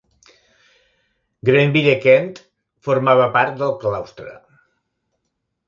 Grenville Kent formava part del claustre.